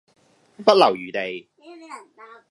不留餘地